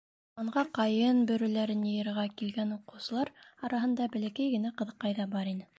Урманға ҡайын бөрөләрен йыйырға килгән уҡыусылар араһында бәләкәй генә ҡыҙыҡай ҙа бар ине.